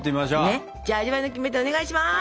じゃあ味わいのキメテをお願いします。